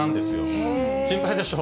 心配でしょ？